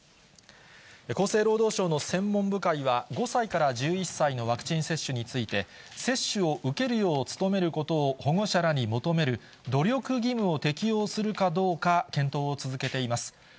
厚生労働省の専門部会は、５歳から１１歳のワクチン接種について、接種を受けるよう努めることを保護者らに求める努力義務を適用するかどうか、検討を続けています。